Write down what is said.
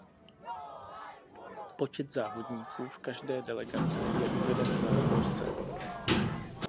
Počet závodníků v každé delegace je uveden v závorce.